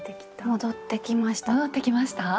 戻ってきました？